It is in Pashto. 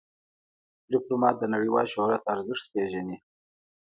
ډيپلومات د نړیوال شهرت ارزښت پېژني.